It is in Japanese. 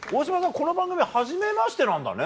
この番組はじめましてなんだね。